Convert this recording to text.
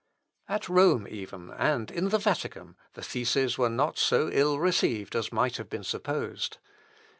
At Rome even, and in the Vatican, the theses were not so ill received as might have been supposed.